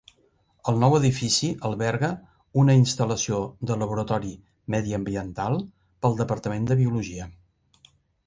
El nou edifici alberga una instal·lació de laboratori mediambiental pel departament de biologia.